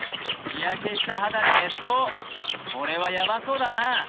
日焼けした肌に熱湯これはヤバそうだな